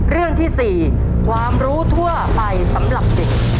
เรื่องที่๔ความรู้ทั่วไปสำหรับเด็ก